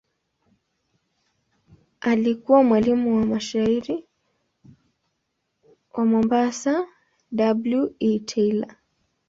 Alikuwa mwalimu wa mshairi wa Mombasa W. E. Taylor.